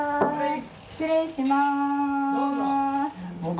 失礼します。